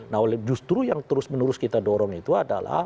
nah justru yang terus menerus kita dorong itu adalah